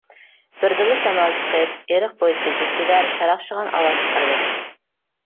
بىردىنلا شامال چىقىپ ئېرىق بويىدىكى جىگدىلەر شاراقشىغان ئاۋاز چىقىرىۋەتتى.